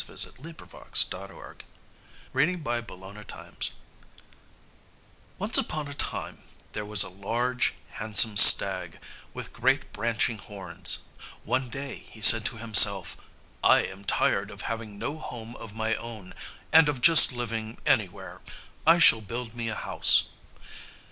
VI Why the Tiger and the Stag Fear Each Other Once upon a time there was a large handsome stag with great branching horns. One day he said to himself, "I am tired of having no home of my own, and of just living anywhere. I shall build me a house."